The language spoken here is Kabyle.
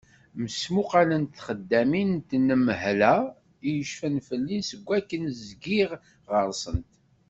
Mesmuqalent txeddamin n tenmehla i yecfan fell-i seg wakken zgiɣ ɣer-sent.